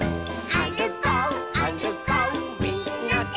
「あるこうあるこうみんなで」